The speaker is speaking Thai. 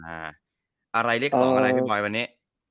อะไรเลข๒อะไรไปบ่อยวันนี้